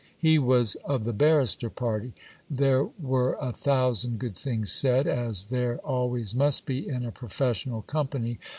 He was of the barrister party. There were a thousand good things said, as there always must be in a professional company.